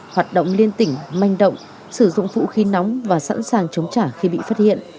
hoạt động liên tỉnh manh động sử dụng vũ khí nóng và sẵn sàng chống trả khi bị phát hiện